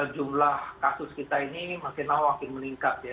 jumlah kasus kita ini makin lama makin meningkat ya